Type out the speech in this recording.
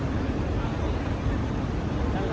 คุณอยู่ในโรงพยาบาลนะ